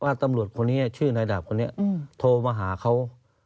ตำรวจคนนี้ชื่อนายดาบคนนี้โทรมาหาเขา